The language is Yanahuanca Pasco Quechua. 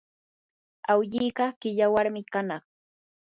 awlliqa qilla warmi kanaq.